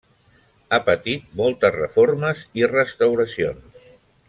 Ha patit moltes reformes i restauracions.